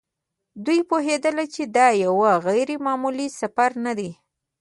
دوی پوهېدل چې دا یو غیر معمولي سفر نه دی.